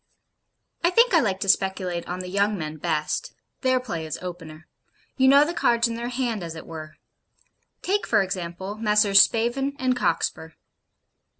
I think I like to speculate on the young men best. Their play is opener. You know the cards in their hand, as it were. Take, for example, Messrs. Spavin and Cockspur.